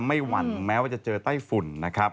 หวั่นแม้ว่าจะเจอไต้ฝุ่นนะครับ